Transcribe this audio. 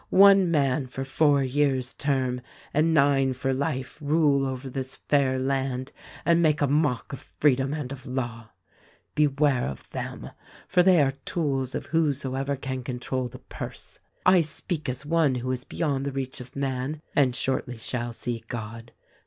"One man for four years' term and nine for life rule over this fair land and make a mock of Freedom and of law. Be ware of them ; for they are tools of whosoever can control the purse. "I speak as one who is beyond the reach of man and shortly shall see God.